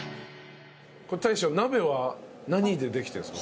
これ大将鍋は何でできてるんですか？